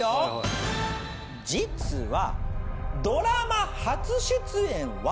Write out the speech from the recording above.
実は。